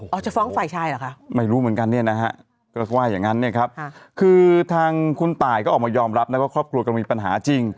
เอาท้องไฟใช่หรอครับไม่รู้เหมือนกันเลยนะฮะก็กว้ายอย่างนั้นเนี่ยครับคือทางคุณตายก็ออกมายอมรับแล้วก็ครอบครัวกรมมี